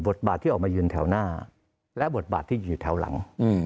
บาทที่ออกมายืนแถวหน้าและบทบาทที่อยู่แถวหลัง